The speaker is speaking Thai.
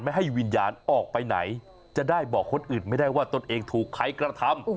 ให้วิญญาณออกไปไหนจะได้บอกคนอื่นไม่ได้ว่าตนเองถูกใครกระทำ